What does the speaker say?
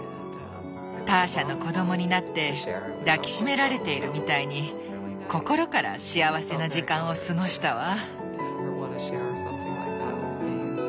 ターシャの子供になって抱き締められているみたいに心から幸せな時間を過ごしたわ。